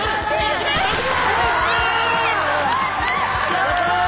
やった！